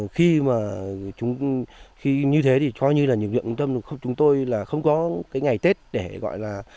khi như thế thì coi như là những lượng tâm lực của chúng tôi là không có cái ngày tết để gọi là